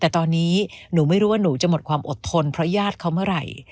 แต่ตอนนี้หนูไม่รู้ว่าหนูจะหมดความอดทนเพราะญาติเขาเมื่อไหร่